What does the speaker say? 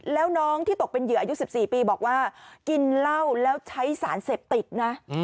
แล้วน้องที่ตกเป็นเหยื่ออายุ๑๔ปีบอกว่ากินเหล้าแล้วใช้สารเสพติดนะ